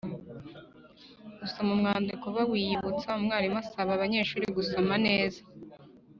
gusoma umwandiko bawiyibutsa, Umwarimu asaba abanyeshuri gusoma neza